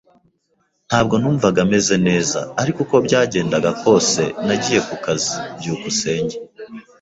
Ntabwo numvaga meze neza, ariko uko byagenda kose nagiye ku kazi. byukusenge